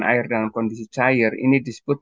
air dalam kondisi cair ini disebut